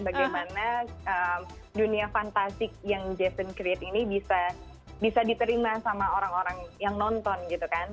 bagaimana dunia fantastik yang jason create ini bisa diterima sama orang orang yang nonton gitu kan